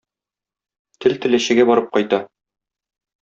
Тел Теләчегә барып кайта.